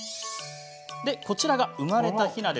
こちらが生まれたひな。